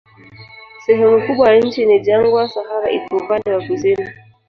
Sehemu kubwa ya nchi ni jangwa, Sahara iko upande wa kusini.